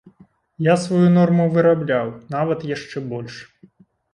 Я сваю норму вырабляў, нават яшчэ больш.